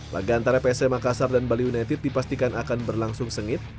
laga antara psm makassar dan bali united dipastikan akan berlangsung sengit